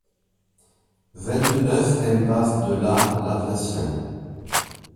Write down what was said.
vingt-neuf impasse de la l'Aviation